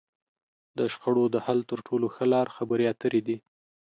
د شخړو د حل تر ټولو ښه لار؛ خبرې اترې دي.